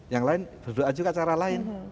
yang lain berdoa juga cara lain